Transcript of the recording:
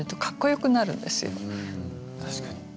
確かに。